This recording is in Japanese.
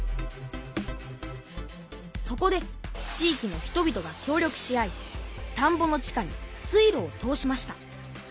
そこで地域の人々が協力し合いたんぼの地下に水路を通しました。